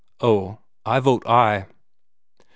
Oh, I vote Aye."